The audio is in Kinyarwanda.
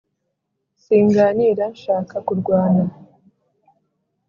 singanira nshaka kurwana.